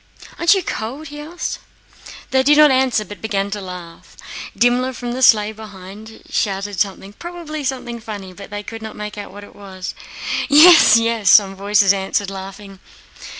"Aren't you cold?" he asked. They did not answer but began to laugh. Dimmler from the sleigh behind shouted something—probably something funny—but they could not make out what he said. "Yes, yes!" some voices answered, laughing.